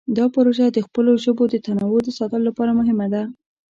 دا پروژه د خپلو ژبو د تنوع د ساتلو لپاره مهمه ده.